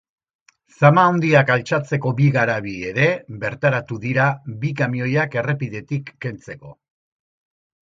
Zama handiak altxatzeko bi garabi ere bertaratu dira bi kamioiak errepidetik kentzeko.